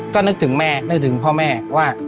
ก็นึกถึงแม่นึกถึงพ่อแม่ว่า